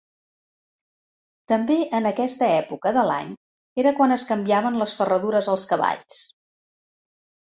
També en aquesta època de l'any era quan es canviaven les ferradures als cavalls.